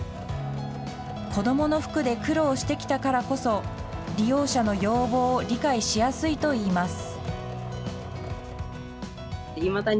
子どもの服で苦労してきたからこそ、利用者の要望を理解しやすいといいます。